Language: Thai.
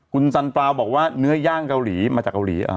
คุณสันปลาบอกว่าเนื้อย่างเกาหลีมาจากเกาหลี